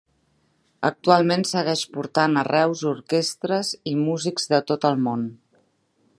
Actualment segueix portant a Reus orquestres i músics de tot el món.